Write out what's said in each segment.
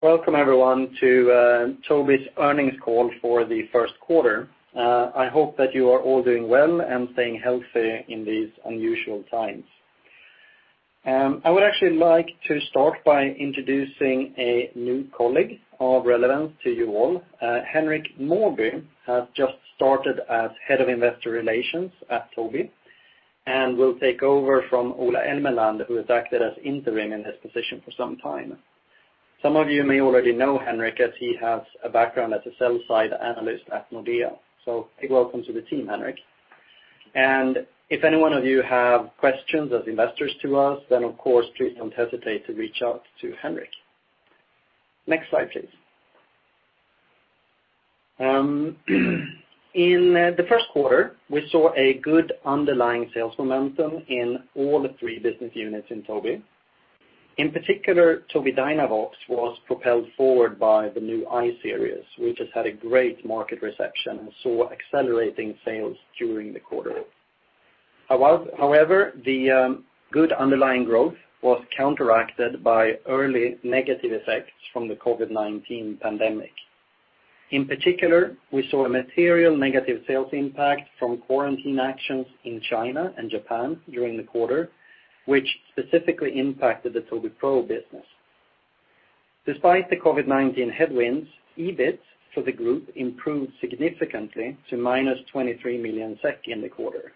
Welcome everyone to Tobii's earnings call for the first quarter. I hope that you are all doing well and staying healthy in these unusual times. I would actually like to start by introducing a new colleague of relevance to you all. Henrik Mawby has just started as Head of Investor Relations at Tobii, and will take over from Ola Elmeland, who has acted as interim in this position for some time. Some of you may already know Henrik as he has a background as a sell-side analyst at Nordea. A big welcome to the team, Henrik. If any one of you have questions as investors to us, of course, please don't hesitate to reach out to Henrik. Next slide, please. In the first quarter, we saw a good underlying sales momentum in all three business units in Tobii. In particular, Tobii Dynavox was propelled forward by the new I-Series, which has had a great market reception and saw accelerating sales during the quarter. However, the good underlying growth was counteracted by early negative effects from the COVID-19 pandemic. In particular, we saw a material negative sales impact from quarantine actions in China and Japan during the quarter, which specifically impacted the Tobii Pro business. Despite the COVID-19 headwinds, EBIT for the Group improved significantly to -23 million SEK in the quarter.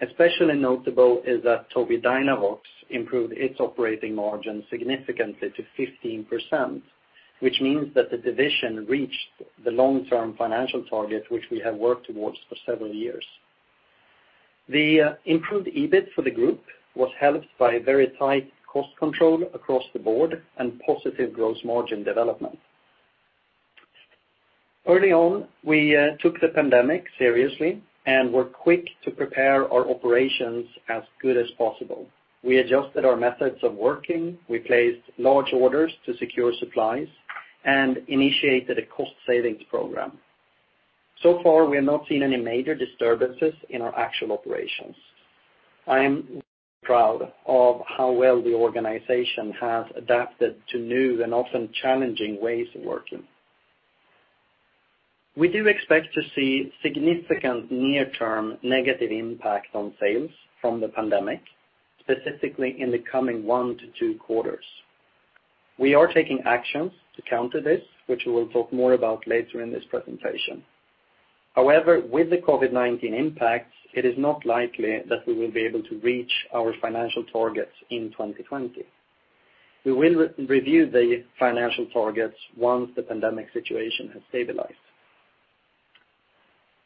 Especially notable is that Tobii Dynavox improved its operating margin significantly to 15%, which means that the division reached the long-term financial target, which we have worked towards for several years. The improved EBIT for the Group was helped by very tight cost control across the board and positive gross margin development. Early on, we took the pandemic seriously and were quick to prepare our operations as good as possible. We adjusted our methods of working, we placed large orders to secure supplies, and initiated a cost savings program. So far, we have not seen any major disturbances in our actual operations. I am proud of how well the organization has adapted to new and often challenging ways of working. We do expect to see significant near-term negative impact on sales from the pandemic, specifically in the coming one to two quarters. We are taking actions to counter this, which we will talk more about later in this presentation. With the COVID-19 impact, it is not likely that we will be able to reach our financial targets in 2020. We will review the financial targets once the pandemic situation has stabilized.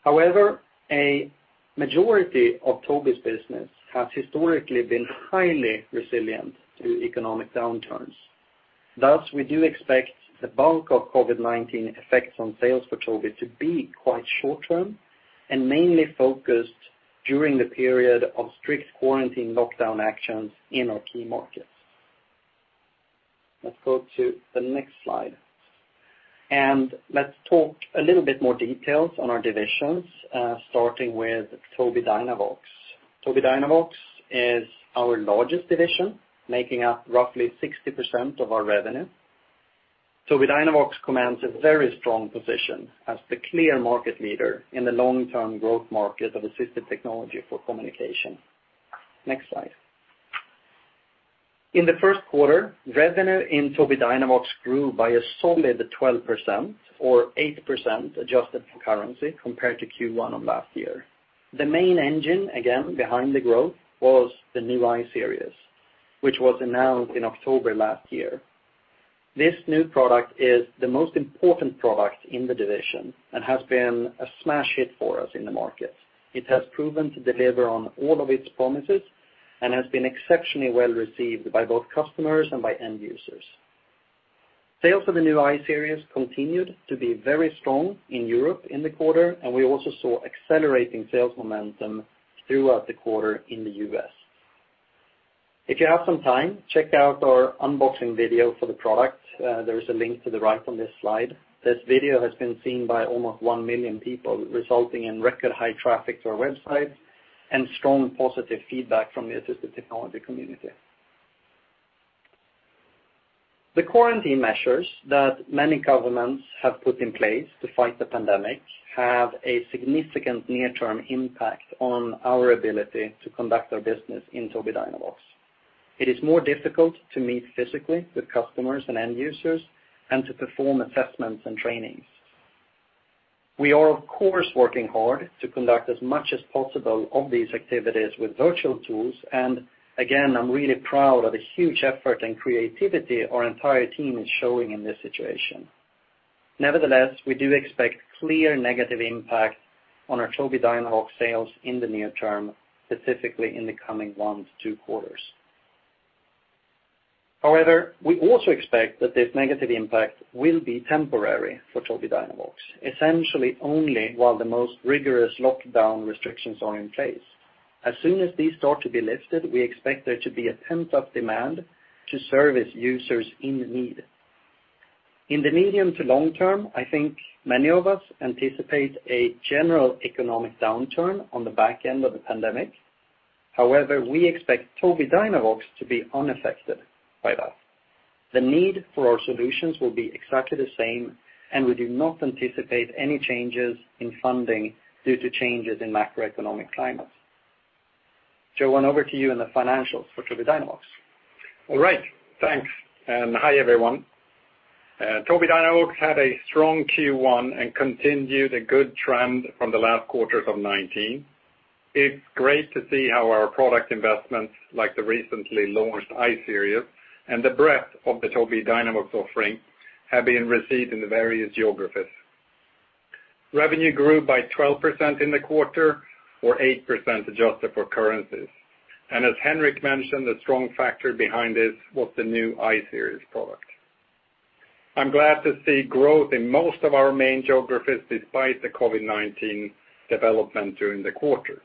However, a majority of Tobii's business has historically been highly resilient to economic downturns. Thus, we do expect the bulk of COVID-19 effects on sales for Tobii to be quite short-term, and mainly focused during the period of strict quarantine lockdown actions in our key markets. Let's go to the next slide. Let's talk a little bit more details on our divisions, starting with Tobii Dynavox. Tobii Dynavox is our largest division, making up roughly 60% of our revenue. Tobii Dynavox commands a very strong position as the clear market leader in the long-term growth market of assistive technology for communication. Next slide. In the first quarter, revenue in Tobii Dynavox grew by a solid 12% or 8% adjusted for currency compared to Q1 of last year. The main engine, again, behind the growth was the new I-Series, which was announced in October last year. This new product is the most important product in the division and has been a smash hit for us in the market. It has proven to deliver on all of its promises and has been exceptionally well-received by both customers and by end users. Sales of the new I-Series continued to be very strong in Europe in the quarter, and we also saw accelerating sales momentum throughout the quarter in the U.S. If you have some time, check out our unboxing video for the product. There is a link to the right on this slide. This video has been seen by almost 1 million people, resulting in record high traffic to our website and strong positive feedback from the assistive technology community. The quarantine measures that many governments have put in place to fight the pandemic have a significant near-term impact on our ability to conduct our business in Tobii Dynavox. It is more difficult to meet physically with customers and end users and to perform assessments and trainings. We are, of course, working hard to conduct as much as possible of these activities with virtual tools, and again, I'm really proud of the huge effort and creativity our entire team is showing in this situation. Nevertheless, we do expect clear negative impact on our Tobii Dynavox sales in the near term, specifically in the coming one to two quarters. However, we also expect that this negative impact will be temporary for Tobii Dynavox, essentially only while the most rigorous lockdown restrictions are in place. As soon as these start to be lifted, we expect there to be a pent-up demand to service users in need. In the medium to long term, I think many of us anticipate a general economic downturn on the back end of the pandemic. However, we expect Tobii Dynavox to be unaffected by that. The need for our solutions will be exactly the same, and we do not anticipate any changes in funding due to changes in macroeconomic climate. Johan, over to you and the financials for Tobii Dynavox. All right, thanks, and hi, everyone. Tobii Dynavox had a strong Q1 and continued a good trend from the last quarters of 2019. It's great to see how our product investments, like the recently launched I-Series, and the breadth of the Tobii Dynavox offering, have been received in the various geographies. Revenue grew by 12% in the quarter, or 8% adjusted for currencies. As Henrik mentioned, the strong factor behind this was the new I-Series product. I'm glad to see growth in most of our main geographies, despite the COVID-19 development during the quarter.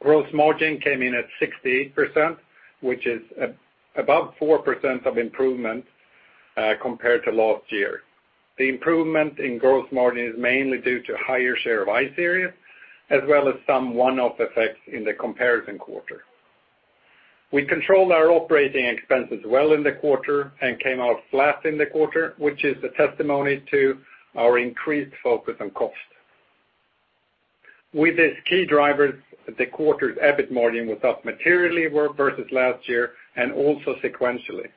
Gross margin came in at 68%, which is above 4% of improvement compared to last year. The improvement in gross margin is mainly due to higher share of I-Series, as well as some one-off effects in the comparison quarter. We controlled our operating expenses well in the quarter and came out flat in the quarter, which is a testimony to our increased focus on cost. With these key drivers, the quarter's EBIT margin was up materially versus last year, and also sequentially.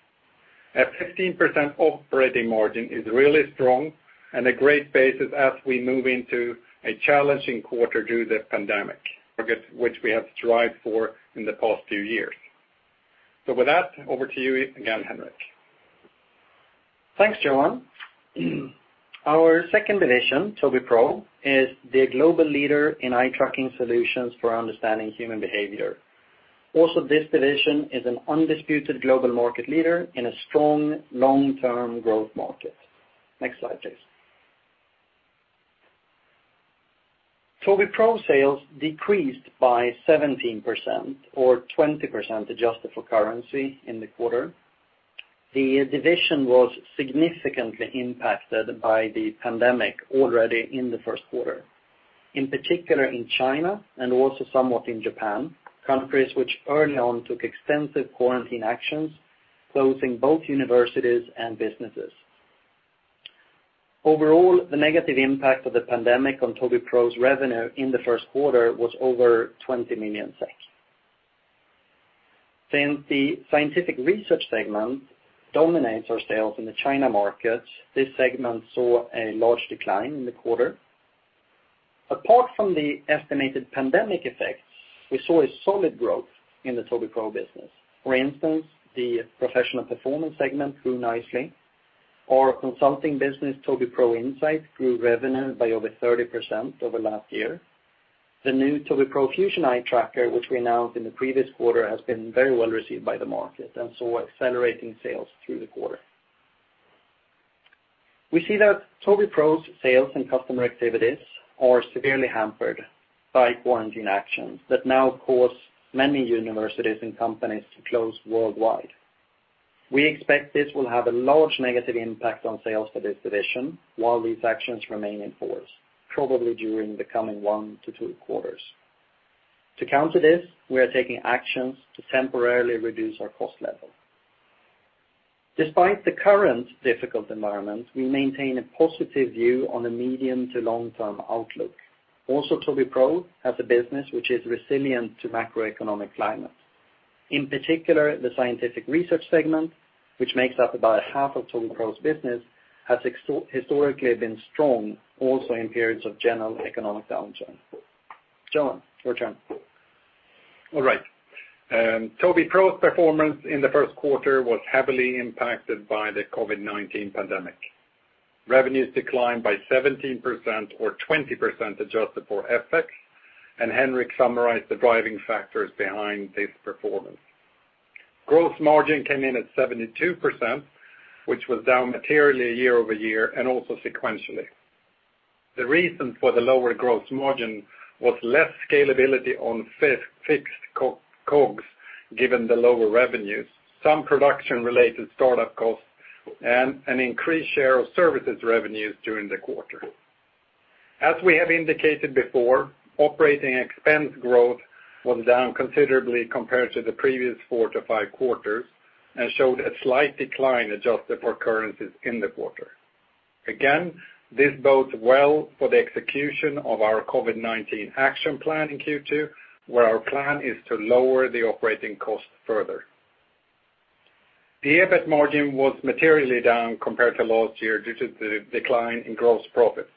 A 15% operating margin is really strong and a great basis as we move into a challenging quarter due to the pandemic, targets which we have strived for in the past two years. With that, over to you again, Henrik. Thanks, Johan. Our second division, Tobii Pro, is the global leader in eye tracking solutions for understanding human behavior. Also, this division is an undisputed global market leader in a strong long-term growth market. Next slide, please. Tobii Pro sales decreased by 17%, or 20% adjusted for currency in the quarter. The division was significantly impacted by the pandemic already in the first quarter. In particular, in China and also somewhat in Japan, countries which early on took extensive quarantine actions, closing both universities and businesses. Overall, the negative impact of the pandemic on Tobii Pro's revenue in the first quarter was over 20 million SEK. Since the scientific research segment dominates our sales in the China market, this segment saw a large decline in the quarter. Apart from the estimated pandemic effects, we saw a solid growth in the Tobii Pro business. For instance, the professional performance segment grew nicely. Our consulting business, Tobii Pro Insight, grew revenue by over 30% over last year. The new Tobii Pro Fusion Eye Tracker, which we announced in the previous quarter, has been very well received by the market and saw accelerating sales through the quarter. We see that Tobii Pro's sales and customer activities are severely hampered by quarantine actions that now cause many universities and companies to close worldwide. We expect this will have a large negative impact on sales for this division while these actions remain in force, probably during the coming one to two quarters. To counter this, we are taking actions to temporarily reduce our cost level. Despite the current difficult environment, we maintain a positive view on the medium to long-term outlook. Also, Tobii Pro has a business which is resilient to macroeconomic climate. In particular, the scientific research segment, which makes up about half of Tobii Pro's business, has historically been strong also in periods of general economic downturn. Johan, your turn. All right. Tobii Pro's performance in the first quarter was heavily impacted by the COVID-19 pandemic. Revenues declined by 17%, or 20% adjusted for FX, and Henrik summarized the driving factors behind this performance. Gross margin came in at 72%, which was down materially year-over-year, and also sequentially. The reason for the lower gross margin was less scalability on fixed COGS, given the lower revenues, some production-related startup costs, and an increased share of services revenues during the quarter. As we have indicated before, operating expense growth was down considerably compared to the previous four to five quarters and showed a slight decline adjusted for currencies in the quarter. Again, this bodes well for the execution of our COVID-19 action plan in Q2, where our plan is to lower the operating cost further. The EBIT margin was materially down compared to last year due to the decline in gross profits.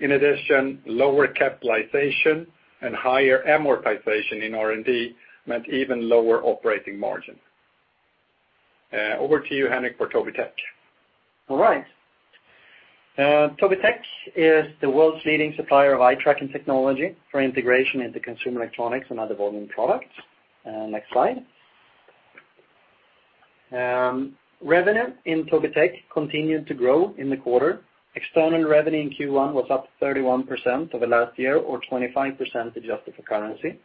In addition, lower capitalization and higher amortization in R&D meant even lower operating margin. Over to you, Henrik, for Tobii Tech. All right. Tobii Tech is the world's leading supplier of eye tracking technology for integration into consumer electronics and other volume products. Next slide. Revenue in Tobii Tech continued to grow in the quarter. External revenue in Q1 was up 31% over last year, or 25% adjusted for currency.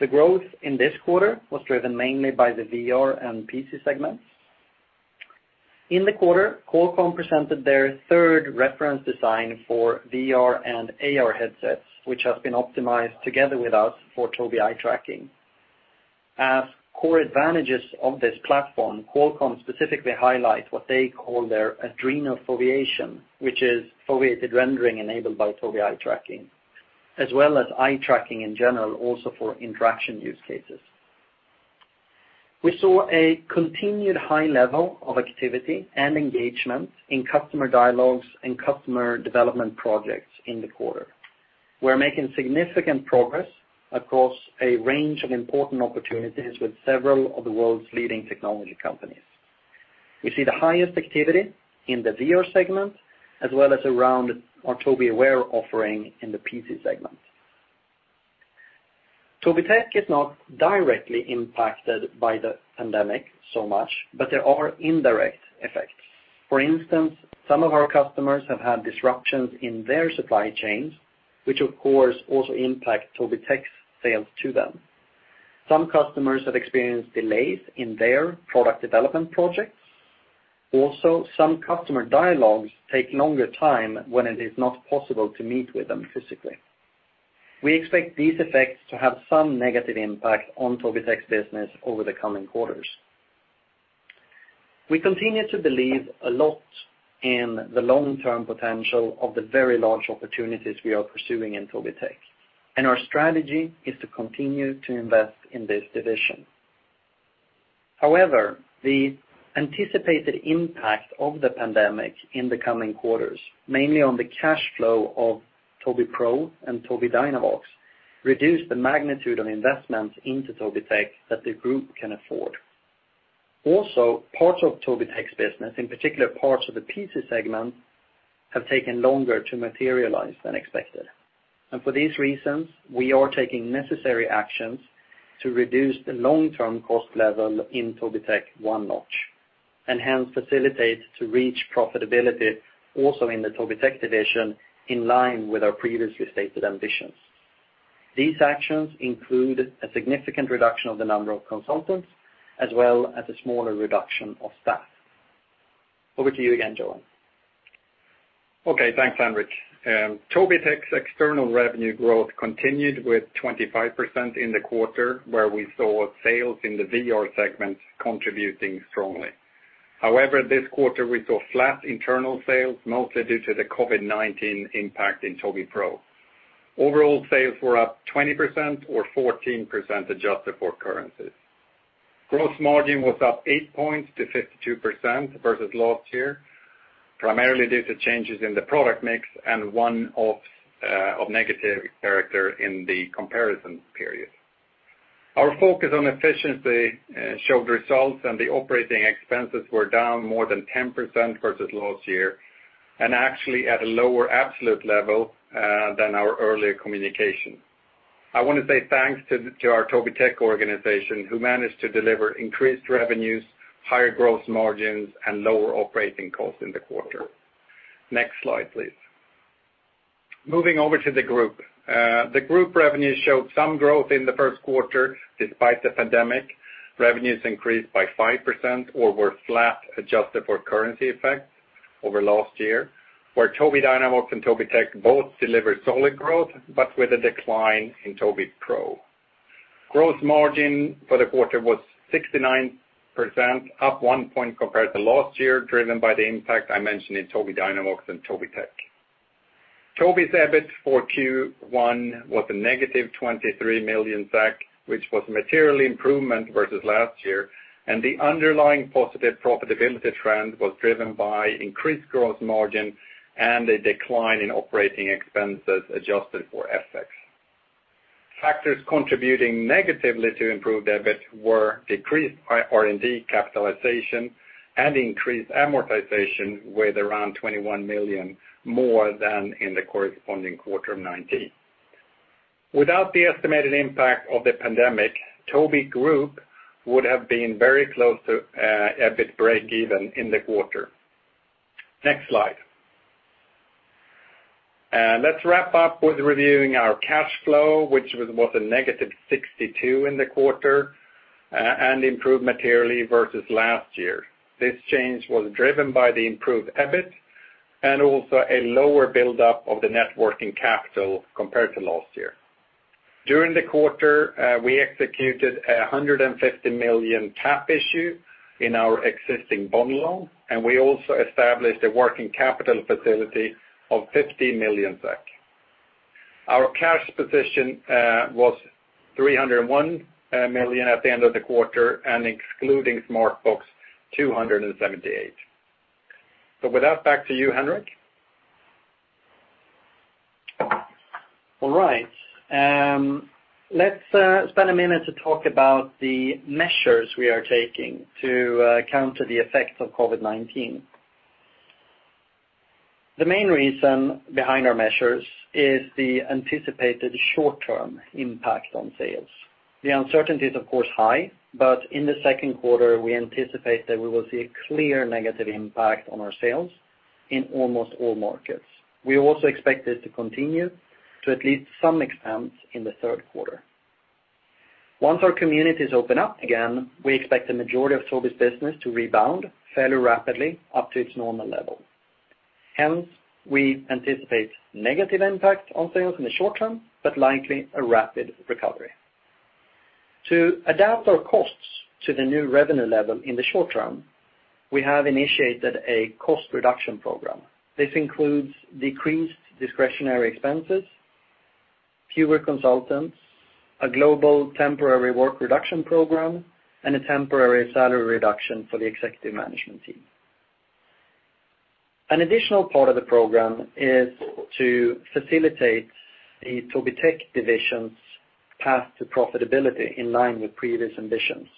The growth in this quarter was driven mainly by the VR and PC segments. In the quarter, Qualcomm presented their third reference design for VR and AR headsets, which have been optimized together with us for Tobii eye tracking. As core advantages of this platform, Qualcomm specifically highlight what they call their Adreno Foveation, which is foveated rendering enabled by Tobii eye tracking, as well as eye tracking in general also for interaction use cases. We saw a continued high level of activity and engagement in customer dialogues and customer development projects in the quarter. We are making significant progress across a range of important opportunities with several of the world's leading technology companies. We see the highest activity in the VR segment, as well as around our Tobii Aware offering in the PC segment. Tobii Tech is not directly impacted by the pandemic so much, but there are indirect effects. For instance, some of our customers have had disruptions in their supply chains, which of course also impact Tobii Tech's sales to them. Some customers have experienced delays in their product development projects. Also, some customer dialogues take longer time when it is not possible to meet with them physically. We expect these effects to have some negative impact on Tobii Tech's business over the coming quarters. We continue to believe a lot in the long-term potential of the very large opportunities we are pursuing in Tobii Tech, and our strategy is to continue to invest in this division. However, the anticipated impact of the pandemic in the coming quarters, mainly on the cash flow of Tobii Pro and Tobii Dynavox, reduce the magnitude of investments into Tobii Tech that the Group can afford. Also, parts of Tobii Tech's business, in particular, parts of the PC segment, have taken longer to materialize than expected. For these reasons, we are taking necessary actions to reduce the long-term cost level in Tobii Tech one notch, and hence facilitate to reach profitability also in the Tobii Tech division in line with our previously stated ambitions. These actions include a significant reduction of the number of consultants, as well as a smaller reduction of staff. Over to you again, Johan. Okay, thanks, Henrik. Tobii Tech's external revenue growth continued with 25% in the quarter, where we saw sales in the VR segment contributing strongly. This quarter we saw flat internal sales, mostly due to the COVID-19 impact in Tobii Pro. Overall sales were up 20% or 14% adjusted for currencies. Gross margin was up 8 points to 52% versus last year, primarily due to changes in the product mix and one-offs of negative character in the comparison period. Our focus on efficiency showed results and the operating expenses were down more than 10% versus last year, and actually at a lower absolute level than our earlier communication. I want to say thanks to our Tobii Tech organization who managed to deliver increased revenues, higher growth margins, and lower operating costs in the quarter. Next slide, please. Moving over to the Group. The Group revenues showed some growth in the first quarter despite the pandemic. Revenues increased by 5% or were flat, adjusted for currency effect over last year, where Tobii Dynavox and Tobii Tech both delivered solid growth but with a decline in Tobii Pro. Gross margin for the quarter was 69%, up one point compared to last year, driven by the impact I mentioned in Tobii Dynavox and Tobii Tech. Tobii's EBIT for Q1 was a -23 million, which was a material improvement versus last year, and the underlying positive profitability trend was driven by increased gross margin and a decline in operating expenses adjusted for FX. Factors contributing negatively to improved EBIT were decreased by R&D capitalization and increased amortization weighed around 21 million, more than in the corresponding quarter of 2019. Without the estimated impact of the pandemic, Tobii Group would have been very close to EBIT breakeven in the quarter. Next slide. Let's wrap up with reviewing our cash flow, which was -62 million in the quarter, and improved materially versus last year. This change was driven by the improved EBIT and also a lower buildup of the net working capital compared to last year. During the quarter, we executed a 150 million cap issue in our existing bond loan, and we also established a working capital facility of 50 million SEK. Our cash position was 301 million at the end of the quarter, and excluding Smartbox, 278. With that, back to you, Henrik. All right. Let's spend a minute to talk about the measures we are taking to counter the effects of COVID-19. The main reason behind our measures is the anticipated short-term impact on sales. The uncertainty is of course high, in the second quarter, we anticipate that we will see a clear negative impact on our sales in almost all markets. We also expect this to continue to at least some extent in the third quarter. Once our communities open up again, we expect the majority of Tobii's business to rebound fairly rapidly up to its normal level. Hence, we anticipate negative impact on sales in the short term, but likely a rapid recovery. To adapt our costs to the new revenue level in the short term, we have initiated a cost reduction program. This includes decreased discretionary expenses, fewer consultants, a global temporary work reduction program, and a temporary salary reduction for the executive management team. An additional part of the program is to facilitate the Tobii Tech division's path to profitability in line with previous ambitions.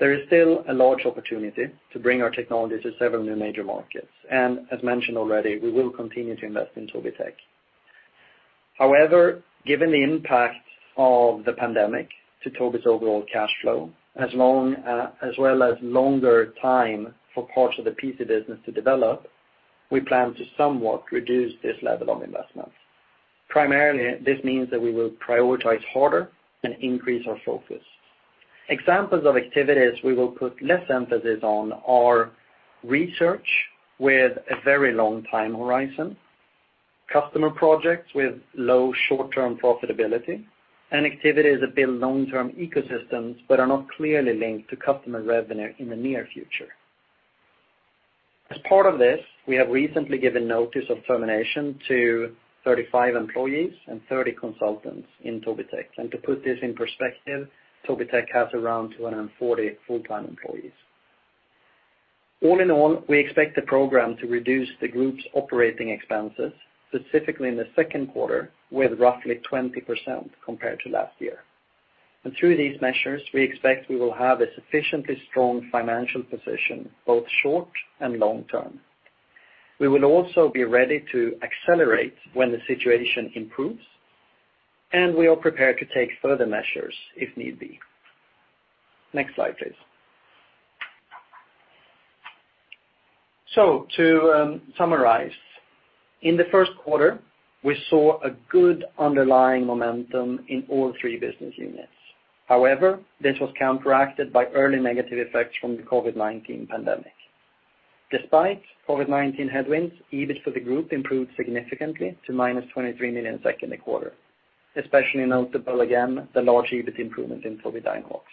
There is still a large opportunity to bring our technology to several new major markets. As mentioned already, we will continue to invest in Tobii Tech. However, given the impact of the pandemic to Tobii's overall cash flow, as well as longer time for parts of the PC business to develop, we plan to somewhat reduce this level of investments. Primarily, this means that we will prioritize harder and increase our focus. Examples of activities we will put less emphasis on are research with a very long time horizon, customer projects with low short-term profitability, and activities that build long-term ecosystems but are not clearly linked to customer revenue in the near future. As part of this, we have recently given notice of termination to 35 employees and 30 consultants in Tobii Tech. To put this in perspective, Tobii Tech has around 240 full-time employees. All in all, we expect the program to reduce the Group's operating expenses, specifically in the second quarter, with roughly 20% compared to last year. Through these measures, we expect we will have a sufficiently strong financial position, both short and long term. We will also be ready to accelerate when the situation improves, and we are prepared to take further measures if need be. Next slide, please. To summarize, in the first quarter, we saw a good underlying momentum in all three business units. However, this was counteracted by early negative effects from the COVID-19 pandemic. Despite COVID-19 headwinds, EBIT for the Group improved significantly to -23 million in the quarter. Especially notable again, the large EBIT improvement in Tobii Dynavox.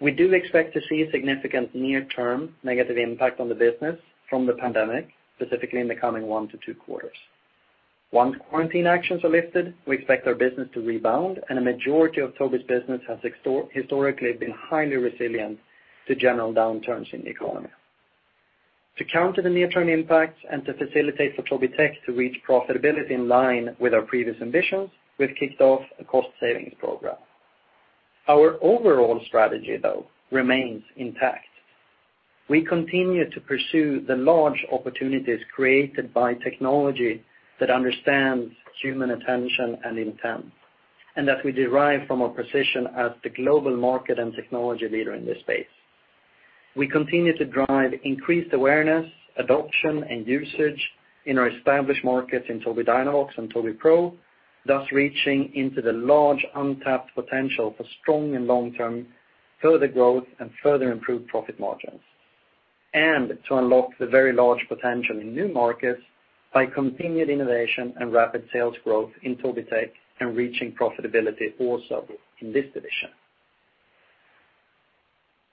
We do expect to see a significant near-term negative impact on the business from the pandemic, specifically in the coming one to two quarters. Once quarantine actions are lifted, we expect our business to rebound, and a majority of Tobii's business has historically been highly resilient to general downturns in the economy. To counter the near-term impacts and to facilitate for Tobii Tech to reach profitability in line with our previous ambitions, we've kicked off a cost savings program. Our overall strategy, though, remains intact. We continue to pursue the large opportunities created by technology that understands human attention and intent, and that we derive from our position as the global market and technology leader in this space. We continue to drive increased awareness, adoption, and usage in our established markets in Tobii Dynavox and Tobii Pro, thus reaching into the large untapped potential for strong and long-term further growth and further improved profit margins. To unlock the very large potential in new markets by continued innovation and rapid sales growth in Tobii Tech and reaching profitability also in this division.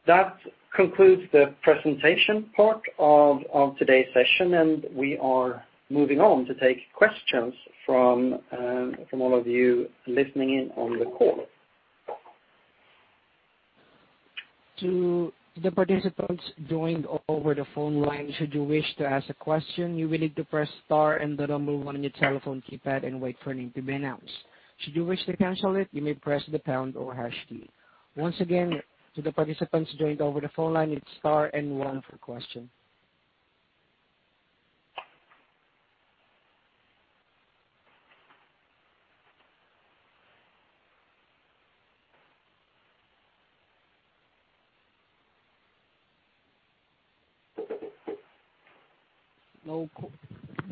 That concludes the presentation part of today's session, and we are moving on to take questions from all of you listening in on the call. To the participants joined over the phone line, should you wish to ask a question, you will need to press star and the number one on your telephone keypad and wait for your name to be announced. Should you wish to cancel it, you may press the pound or hash key. Once again, to the participants joined over the phone line, it's star and one for question.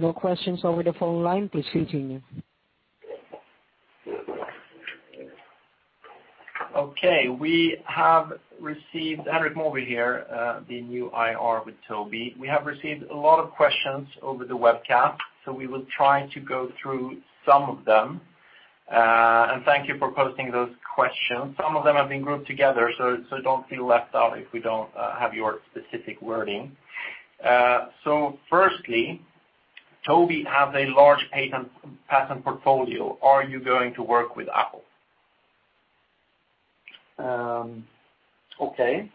No questions over the phone line. Please continue. Henrik Mawby here, the new IR with Tobii. We have received a lot of questions over the webcast, so we will try to go through some of them. Thank you for posting those questions. Some of them have been grouped together, so don't feel left out if we don't have your specific wording. Firstly, Tobii has a large patent portfolio. Are you going to work with Apple? Okay.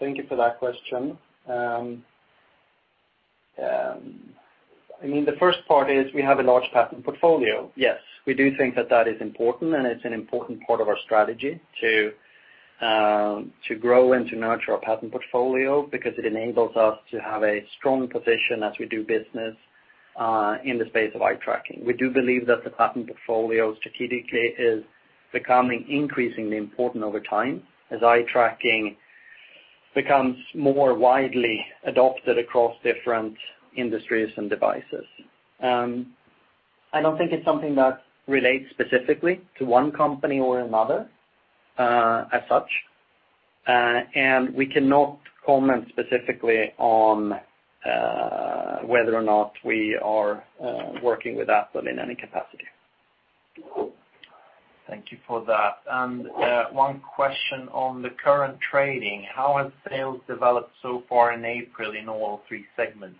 Thank you for that question. The first part is we have a large patent portfolio. Yes, we do think that that is important, and it's an important part of our strategy to grow and to nurture our patent portfolio because it enables us to have a strong position as we do business in the space of eye tracking. We do believe that the patent portfolio strategically is becoming increasingly important over time as eye tracking becomes more widely adopted across different industries and devices. I don't think it's something that relates specifically to one company or another, as such. We cannot comment specifically on whether or not we are working with Apple in any capacity. Thank you for that. One question on the current trading, how have sales developed so far in April in all three segments?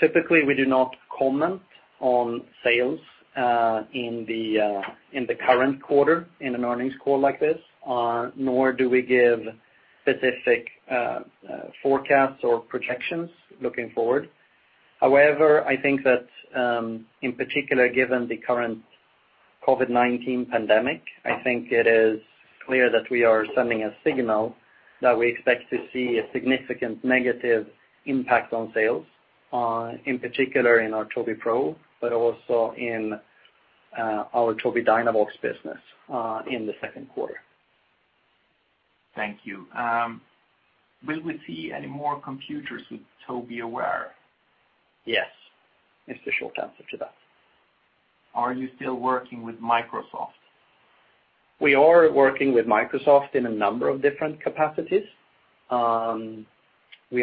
Typically, we do not comment on sales in the current quarter, in an earnings call like this, nor do we give specific forecasts or projections looking forward. However, I think that in particular, given the current COVID-19 pandemic, I think it is clear that we are sending a signal that we expect to see a significant negative impact on sales, in particular in our Tobii Pro, but also in our Tobii Dynavox business, in the second quarter. Thank you. Will we see any more computers with Tobii Aware? Yes. Is the short answer to that. Are you still working with Microsoft? We are working with Microsoft in a number of different capacities. We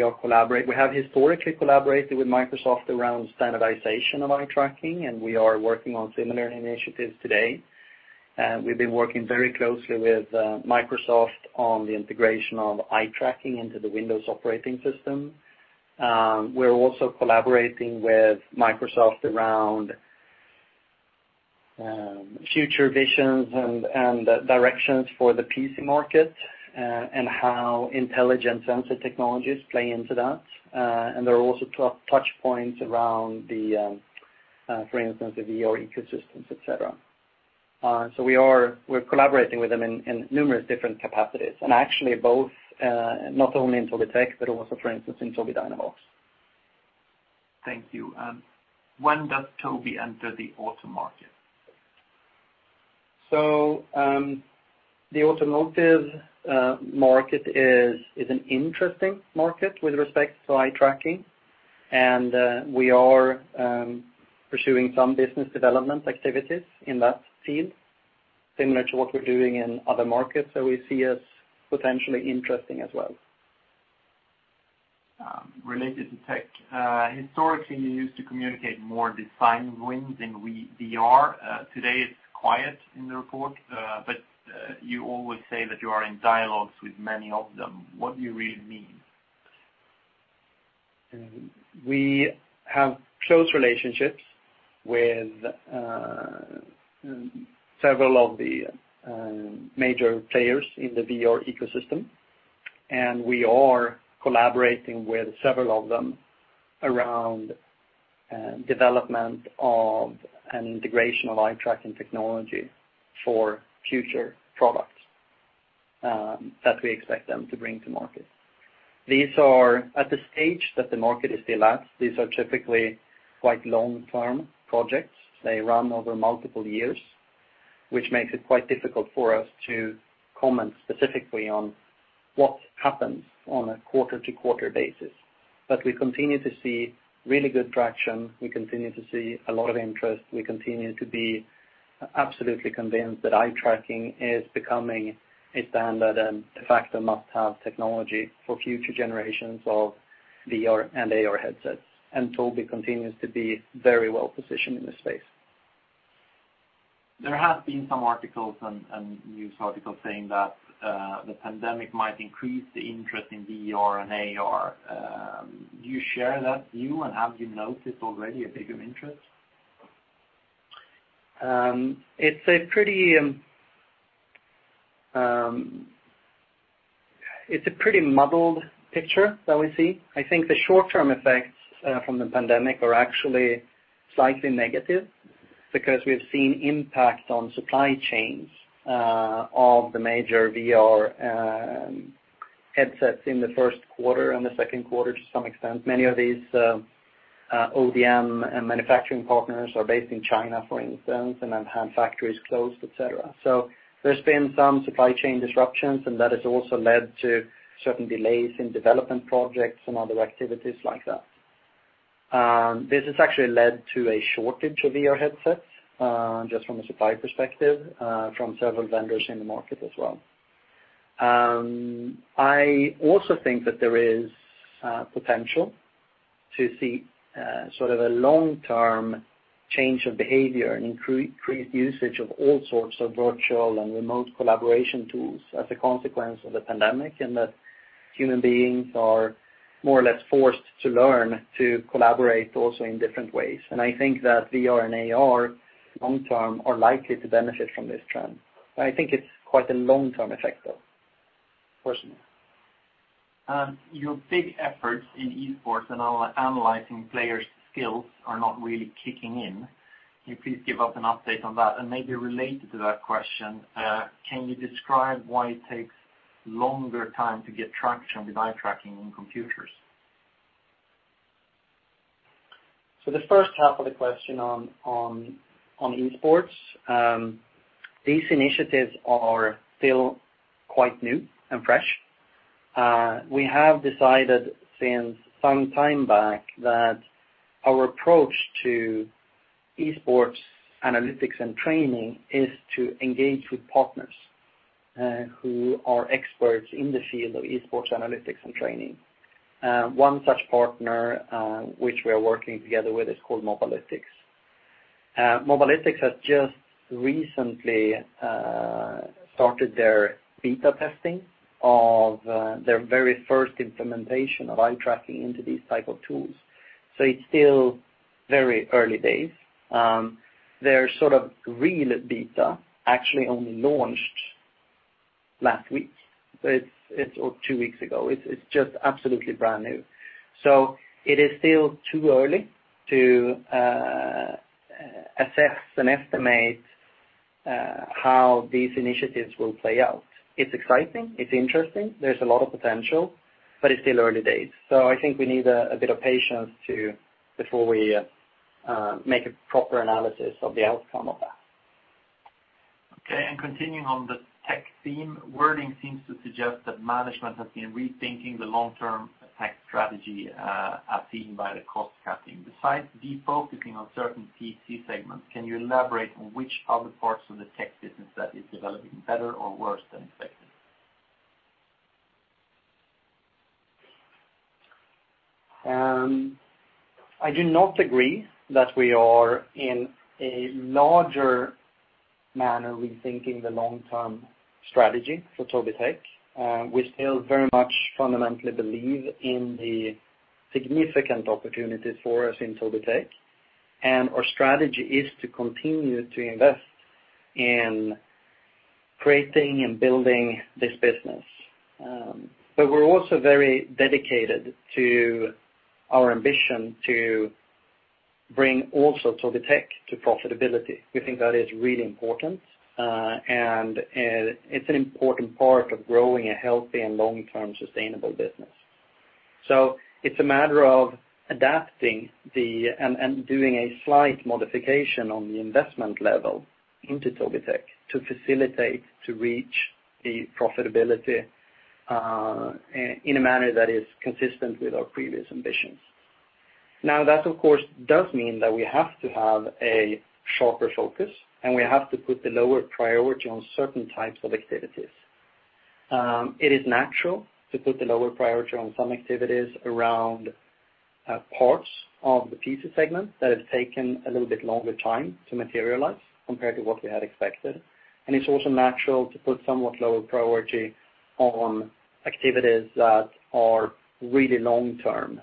have historically collaborated with Microsoft around standardization of eye tracking, and we are working on similar initiatives today. We've been working very closely with Microsoft on the integration of eye tracking into the Windows operating system. We're also collaborating with Microsoft around future visions and directions for the PC market, and how intelligent sensor technologies play into that. There are also touchpoints around the, for instance, the VR ecosystems, et cetera. We're collaborating with them in numerous different capacities, and actually both, not only in Tobii Tech, but also, for instance, in Tobii Dynavox. Thank you. When does Tobii enter the auto market? The automotive market is an interesting market with respect to eye tracking. We are pursuing some business development activities in that field, similar to what we're doing in other markets that we see as potentially interesting as well. Related to tech. Historically, you used to communicate more design wins in VR. Today, it's quiet in the report. You always say that you are in dialogues with many of them. What do you really mean? We have close relationships with several of the major players in the VR ecosystem. We are collaborating with several of them around development of an integration of eye tracking technology for future products that we expect them to bring to market. At the stage that the market is still at, these are typically quite long-term projects. They run over multiple years, which makes it quite difficult for us to comment specifically on what happens on a quarter-to-quarter basis. We continue to see really good traction, we continue to see a lot of interest. We continue to be absolutely convinced that eye tracking is becoming a standard and de facto must-have technology for future generations of VR and AR headsets. Tobii continues to be very well-positioned in this space. There have been some articles and news articles saying that the pandemic might increase the interest in VR and AR. Do you share that view, and have you noticed already a bigger interest? It's a pretty muddled picture that we see. I think the short-term effects from the pandemic are actually slightly negative, because we've seen impact on supply chains of the major VR headsets in the first quarter and the second quarter, to some extent. Many of these ODM and manufacturing partners are based in China, for instance, and have had factories closed, et cetera. There's been some supply chain disruptions, and that has also led to certain delays in development projects and other activities like that. This has actually led to a shortage of VR headsets, just from a supply perspective, from several vendors in the market as well. I also think that there is potential to see sort of a long-term change of behavior and increased usage of all sorts of virtual and remote collaboration tools as a consequence of the pandemic, and that human beings are more or less forced to learn to collaborate also in different ways. I think that VR and AR, long term, are likely to benefit from this trend. I think it's quite a long-term effect, though, personally. Your big efforts in eSports and analyzing players' skills are not really kicking in. Can you please give us an update on that? Maybe related to that question, can you describe why it takes longer time to get traction with eye tracking in computers? The first half of the question on eSports. These initiatives are still quite new and fresh. We have decided since some time back that our approach to eSports analytics and training is to engage with partners who are experts in the field of eSports analytics and training. One such partner, which we are working together with, is called Mobalytics. Mobalytics has just recently started their beta testing of their very first implementation of eye tracking into these type of tools. It's still very early days. Their sort of real beta actually only launched last week or two weeks ago. It's just absolutely brand new. It is still too early to assess and estimate how these initiatives will play out. It's exciting, it's interesting, there's a lot of potential, but it's still early days. I think we need a bit of patience before we make a proper analysis of the outcome of that. Continuing on the tech theme, wording seems to suggest that management has been rethinking the long-term tech strategy, as seen by the cost-cutting. Besides de-focusing on certain PC segments, can you elaborate on which other parts of the tech business that is developing better or worse than expected? I do not agree that we are in a larger manner rethinking the long-term strategy for Tobii Tech. Our strategy is to continue to invest in creating and building this business. We're also very dedicated to our ambition to bring also Tobii Tech to profitability. We think that is really important, and it's an important part of growing a healthy and long-term sustainable business. It's a matter of adapting and doing a slight modification on the investment level into Tobii Tech to facilitate to reach the profitability in a manner that is consistent with our previous ambitions. That of course, does mean that we have to have a sharper focus, and we have to put the lower priority on certain types of activities. It is natural to put the lower priority on some activities around parts of the PC segment that have taken a little bit longer time to materialize compared to what we had expected, and it's also natural to put somewhat lower priority on activities that are really long-term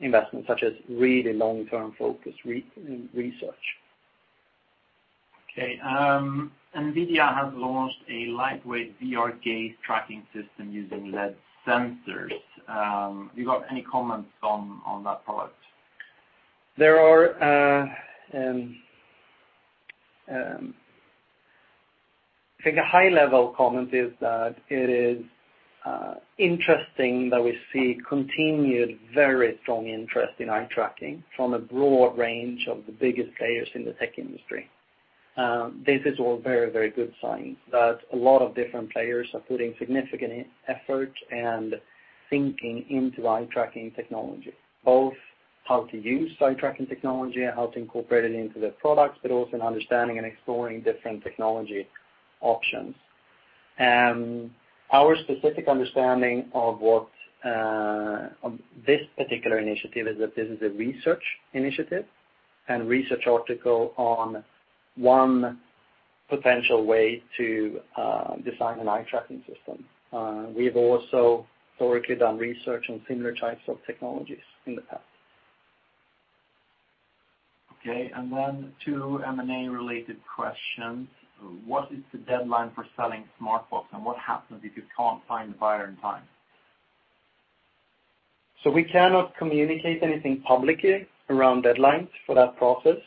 investments, such as really long-term focus research. Okay. NVIDIA has launched a lightweight VR gaze-tracking system using LED sensors. You got any comments on that product? I think a high-level comment is that it is interesting that we see continued very strong interest in eye tracking from a broad range of the biggest players in the tech industry. This is all very, very good signs that a lot of different players are putting significant effort and thinking into eye tracking technology, both how to use eye tracking technology and how to incorporate it into their products, but also in understanding and exploring different technology options. Our specific understanding of this particular initiative is that this is a research initiative and research article on one potential way to design an eye tracking system. We've also thoroughly done research on similar types of technologies in the past. Okay, then two M&A-related questions. What is the deadline for selling Smartbox, and what happens if you can't find a buyer in time? We cannot communicate anything publicly around deadlines for that process.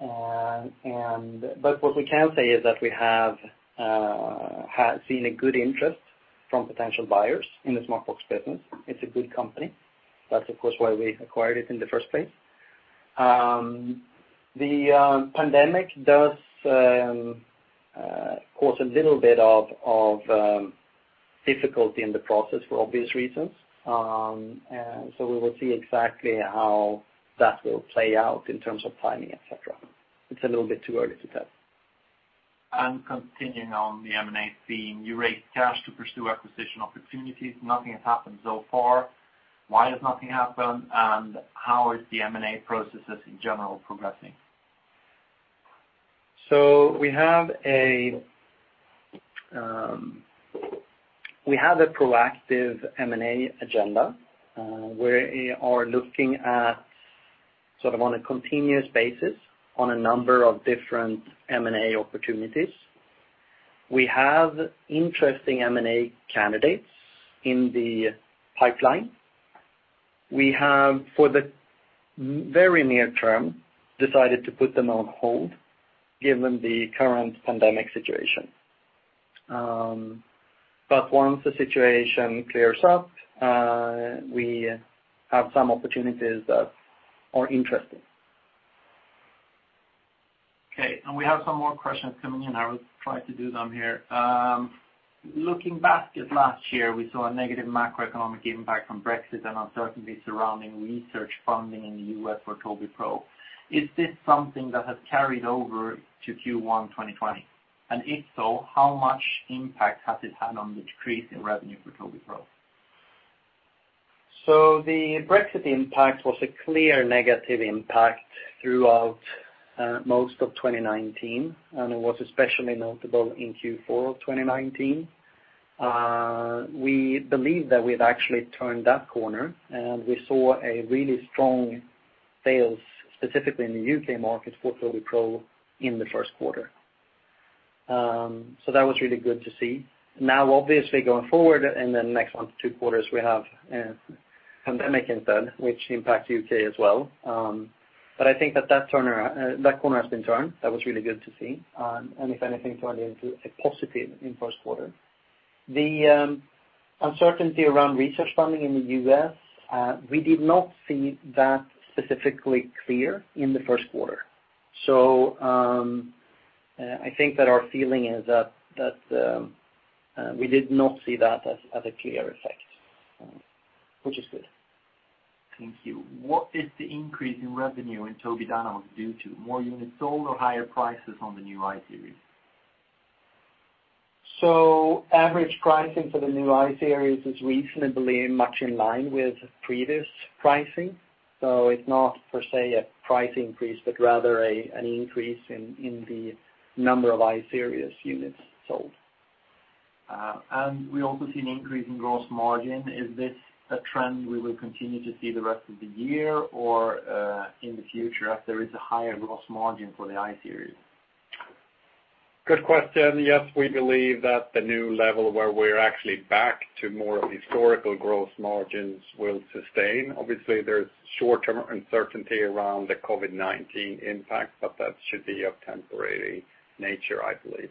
What we can say is that we have seen a good interest from potential buyers in the Smartbox business. It's a good company. That's, of course, why we acquired it in the first place. The pandemic does cause a little bit of difficulty in the process for obvious reasons. We will see exactly how that will play out in terms of timing, et cetera. It's a little bit too early to tell. Continuing on the M&A theme, you raised cash to pursue acquisition opportunities. Nothing has happened so far. Why has nothing happened? And how is the M&A processes in general progressing? We have a proactive M&A agenda. We are looking at sort of on a continuous basis on a number of different M&A opportunities. We have interesting M&A candidates in the pipeline. We have, for the very near term, decided to put them on hold given the current pandemic situation. Once the situation clears up, we have some opportunities that are interesting. Okay. We have some more questions coming in. I will try to do them here. Looking back at last year, we saw a negative macroeconomic impact from Brexit and uncertainty surrounding research funding in the U.S. for Tobii Pro. Is this something that has carried over to Q1 2020? If so, how much impact has it had on the decrease in revenue for Tobii Pro? The Brexit impact was a clear negative impact throughout most of 2019, and it was especially notable in Q4 of 2019. We believe that we've actually turned that corner, and we saw a really strong sales specifically in the U.K. market for Tobii Pro in the first quarter. That was really good to see. Now, obviously, going forward in the next one to two quarters, we have a pandemic instead, which impacts U.K. as well. I think that corner has been turned. That was really good to see. If anything, turned into a positive in first quarter. The uncertainty around research funding in the U.S., we did not see that specifically clear in the first quarter. I think that our feeling is that we did not see that as a clear effect, which is good. Thank you. What is the increase in revenue in Tobii Dynavox due to more units sold or higher prices on the new I-Series? Average pricing for the new I-Series is reasonably much in line with previous pricing. It's not per se a price increase, but rather an increase in the number of I-Series units sold. We also see an increase in gross margin. Is this a trend we will continue to see the rest of the year, or in the future as there is a higher gross margin for the I-Series? Good question. Yes, we believe that the new level where we're actually back to more of historical gross margins will sustain. Obviously, there's short-term uncertainty around the COVID-19 impact, but that should be of temporary nature, I believe.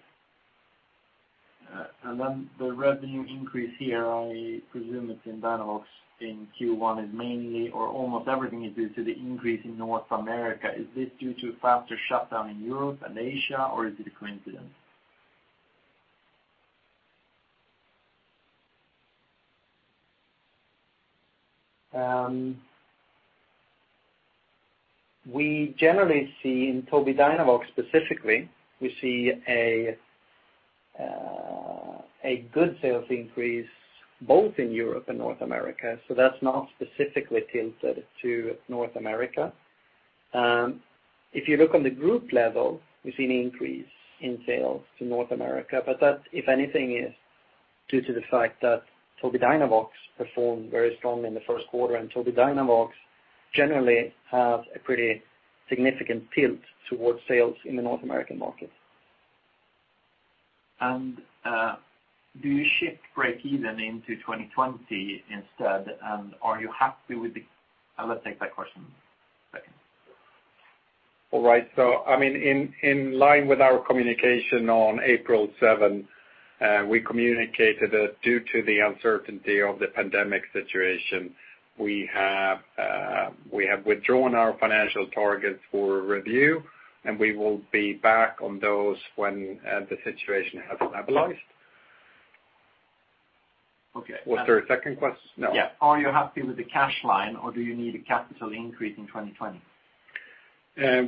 The revenue increase here, I presume it's in Dynavox in Q1, is mainly or almost everything is due to the increase in North America. Is this due to faster shutdown in Europe and Asia, or is it a coincidence? We generally see in Tobii Dynavox specifically, we see a good sales increase both in Europe and North America. That's not specifically tilted to North America. If you look on the Group level, we see an increase in sales to North America. That, if anything, is due to the fact that Tobii Dynavox performed very strongly in the first quarter. Tobii Dynavox generally have a pretty significant tilt towards sales in the North American market. Do you shift breakeven into 2020 instead? Are you happy with? I'll let you take that question second. All right. In line with our communication on April 7th, we communicated that due to the uncertainty of the pandemic situation, we have withdrawn our financial targets for review, and we will be back on those when the situation has stabilized. Okay. Was there a second question? No. Yeah. Are you happy with the cash line, or do you need a capital increase in 2020?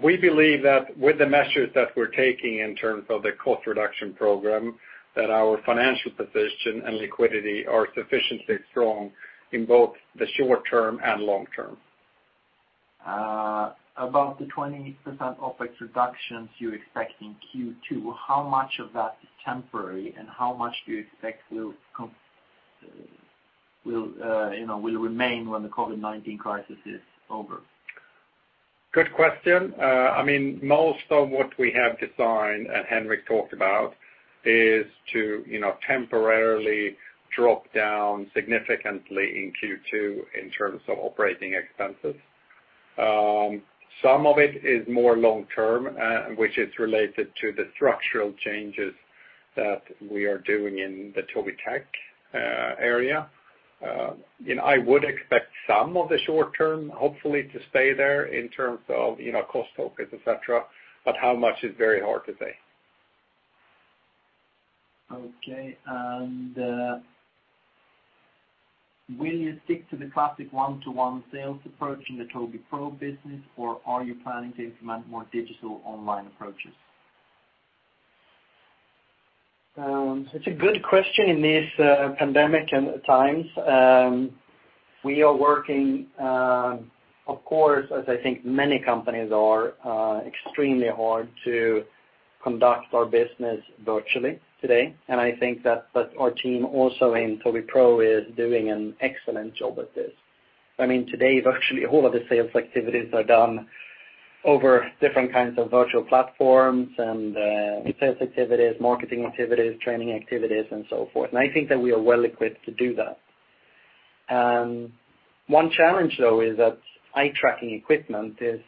We believe that with the measures that we're taking in terms of the cost reduction program, that our financial position and liquidity are sufficiently strong in both the short term and long term. About the 20% OpEx reductions you expect in Q2, how much of that is temporary, and how much do you expect will remain when the COVID-19 crisis is over? Good question. Most of what we have designed, and Henrik talked about, is to temporarily drop down significantly in Q2 in terms of operating expenses. Some of it is more long term, which is related to the structural changes that we are doing in the Tobii Tech area. I would expect some of the short term, hopefully, to stay there in terms of cost focus, et cetera, but how much is very hard to say. Okay. Will you stick to the classic 1:1 sales approach in the Tobii Pro business, or are you planning to implement more digital online approaches? It's a good question in these pandemic times. We are working, of course, as I think many companies are, extremely hard to conduct our business virtually today. I think that our team also in Tobii Pro is doing an excellent job at this. Today, virtually all of the sales activities are done over different kinds of virtual platforms and sales activities, marketing activities, training activities, and so forth. I think that we are well equipped to do that. One challenge though is that eye tracking equipment is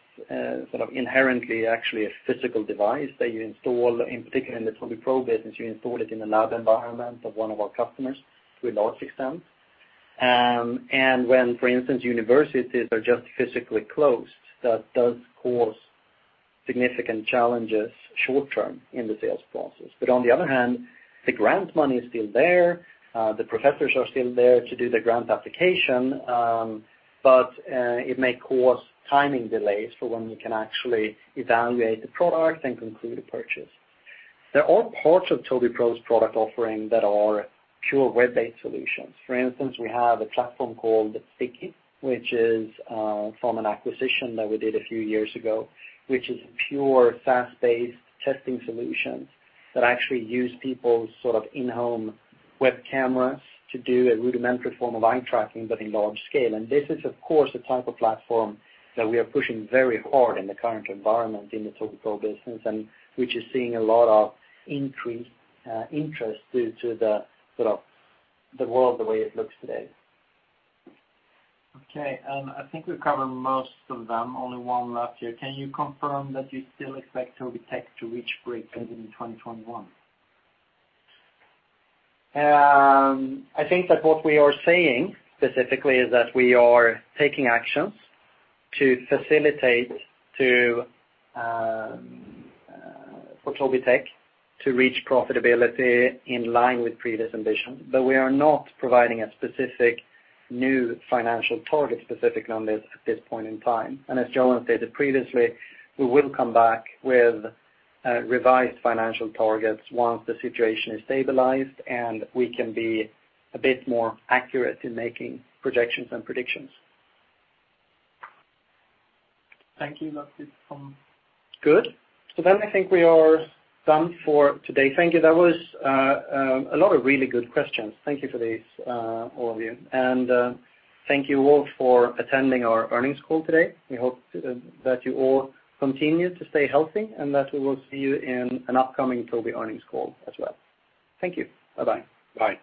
sort of inherently actually a physical device that you install, in particular in the Tobii Pro business, you install it in a lab environment of one of our customers to a large extent. When, for instance, universities are just physically closed, that does cause significant challenges short-term in the sales process. On the other hand, the grant money is still there. The professors are still there to do the grant application. It may cause timing delays for when we can actually evaluate the product and conclude a purchase. There are parts of Tobii Pro's product offering that are pure web-based solutions. For instance, we have a platform called Sticky, which is from an acquisition that we did a few years ago, which is a pure SaaS-based testing solution that actually use people's sort of in-home web cameras to do a rudimentary form of eye tracking, but in large scale. This is, of course, a type of platform that we are pushing very hard in the current environment in the Tobii Pro business, and which is seeing a lot of increased interest due to the world the way it looks today. Okay. I think we've covered most of them. Only one left here. Can you confirm that you still expect Tobii Tech to reach breakeven in 2021? I think that what we are saying specifically is that we are taking actions to facilitate for Tobii Tech to reach profitability in line with previous ambition. We are not providing a specific new financial target specific on this at this point in time. As Johan stated previously, we will come back with revised financial targets once the situation is stabilized, and we can be a bit more accurate in making projections and predictions. Thank you. That's it. Good. I think we are done for today. Thank you. That was a lot of really good questions. Thank you for these all of you. Thank you all for attending our earnings call today. We hope that you all continue to stay healthy, and that we will see you in an upcoming Tobii earnings call as well. Thank you. Bye-bye. Bye.